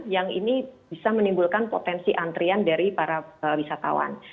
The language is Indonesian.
yang ini bisa menimbulkan potensi antrian dari para wisatawan